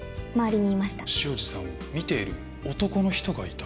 潮路さんを見ている男の人がいた。